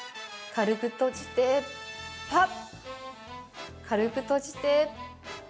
軽く閉じて、ぱっ！